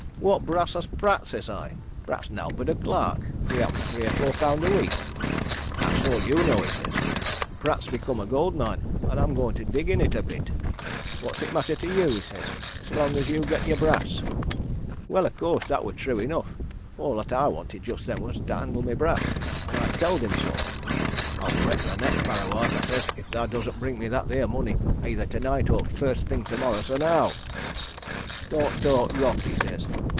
'What brass has Pratt?' says I. 'Pratt's nowt but a clerk, wi' happen three or four pound a week!' 'That's all you know,' he says. 'Pratt's become a gold mine, and I'm going to dig in it a bit. What's it matter to you,' he says, 'so long as you get your brass?' Well, of course, that wor true enough all 'at I wanted just then were to handle my brass. And I tell'd him so. 'I'll brek thy neck, Parrawhite,' I says, 'if thou doesn't bring me that theer money eyther to night or t' first thing tomorrow so now!' 'Don't talk rot!' he says.